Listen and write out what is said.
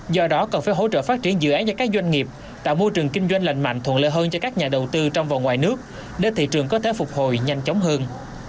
do đó cần phải hỗ trợ phát triển dự án cho các doanh nghiệp tạo môi trường kinh doanh lành mạnh thuận lợi hơn cho các nhà đầu tư trong và ngoài nước để thị trường có thể phục hồi nhanh chóng hơn